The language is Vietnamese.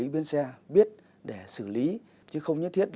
bị nạn nhân phát hiện